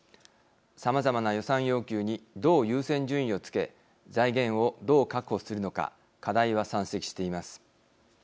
さまざまな予算要求にどう優先順位をつけ財源をどう確保するのか課題は山積しています。